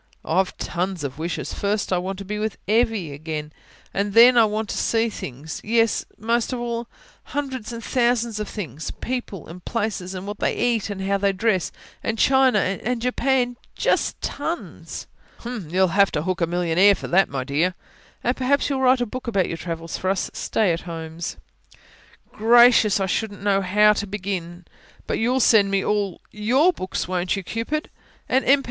"Wish? ... oh, I've tons of wishes. First I want to be with Evvy again. And then, I want to see things yes, that most of all. Hundreds and thousands of things. People, and places, and what they eat, and how they dress, and China, and Japan ... just tons." "You'll have to hook a millionaire for that, my dear." "And perhaps you'll write a book about your travels for us stay at homes." "Gracious! I shouldn't know how to begin. But you'll send me all you write all YOUR books won't you, Cupid? And, M. P.